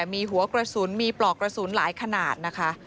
มีหัวกระสุนมีปลอกกระสุนหลายขนาดนะคะ